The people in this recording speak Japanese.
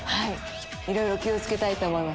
いろいろ気を付けたいと思います。